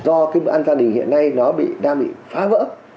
do cái bữa ăn gia đình hiện nay nó đang bị phá vỡ